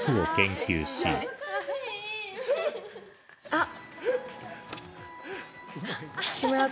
あっ。